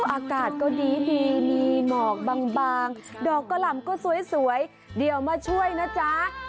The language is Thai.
อากาศก็ดีมีหมอกบางดอกกะหล่ำก็สวยเดี๋ยวมาช่วยนะจ๊ะ